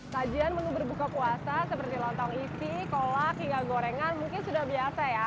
sajian menu berbuka puasa seperti lontong isi kolak hingga gorengan mungkin sudah biasa ya